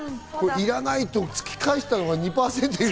いらないと突き返したのが２％いる。